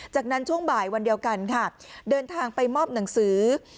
จากนั้นช่วงบ่ายวันเดียวกันค่ะเดินทางไปมอบหนังสือ